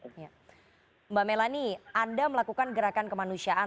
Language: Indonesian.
mbak melani anda melakukan gerakan kemanusiaan